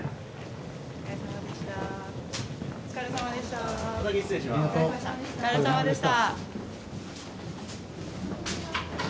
お疲れさまでした。